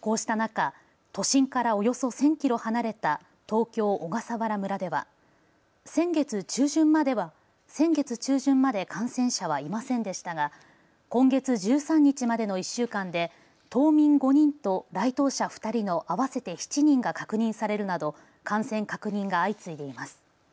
こうした中、都心からおよそ１０００キロ離れた、東京小笠原村では先月中旬まで感染者はいませんでしたが今月１３日までの１週間で島民５人と来島者２人の合わせて７人が確認されるなど感染確認が相次いでいます。